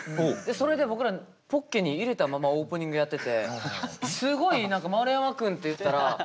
それで僕らポッケに入れたままオープニングやっててすごい丸山くんっていったらお金くれる人なんですね。